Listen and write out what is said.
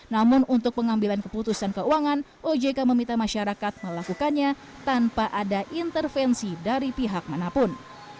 namun untuk pengambilan keputusan keuangan ojk meminta masyarakat melakukannya tanpa ada intervensi dari pihak manapun